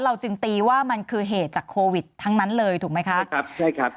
จึงตีว่ามันคือเหตุจากโควิดทั้งนั้นเลยถูกไหมคะครับใช่ครับ